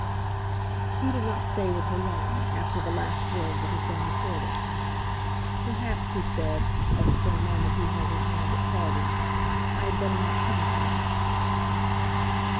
He did not stay with her long after the last word that has been recorded. "Perhaps," he said, as for a moment he held her hand at parting, "I had better not come to morrow."